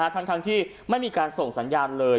ทั้งที่ไม่มีการส่งสัญญาณเลย